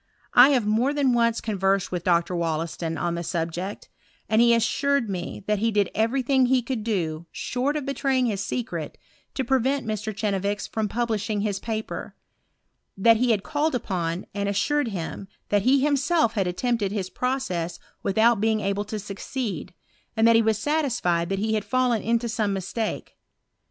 1 have more than once conversed with Dr. Wollaston on the subject, and he assured me that he did every thing that he could do, short of betraying his secret, to prevent Mr. Chenevix from publishing his paper; that he had called upon, and assured him, that he himself had attempted his process without being able to succeed, and that he was satisfied that he had fallen into some mistake.